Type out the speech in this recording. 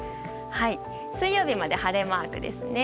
水曜日まで晴れマークですね。